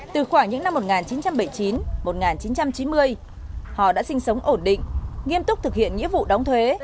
từ khoảng những năm một nghìn chín trăm bảy mươi chín một nghìn chín trăm chín mươi họ đã sinh sống ổn định nghiêm túc thực hiện nghĩa vụ đóng thuế